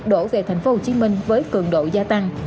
đổ về tp hcm với cường độ gia tăng